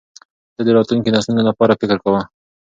ده د راتلونکو نسلونو لپاره فکر کاوه.